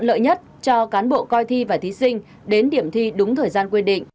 lợi nhất cho cán bộ coi thi và thí sinh đến điểm thi đúng thời gian quy định